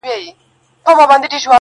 اوس مي د زړه پر تكه سپينه پاڼه.